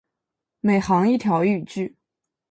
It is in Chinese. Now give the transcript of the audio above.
每行一条语句